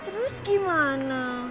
ih terus gimana